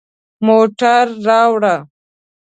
موټر راوړه